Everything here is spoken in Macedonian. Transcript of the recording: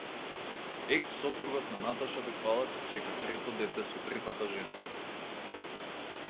Екс сопругот на Наташа Беквалац чека трето дете со третата жена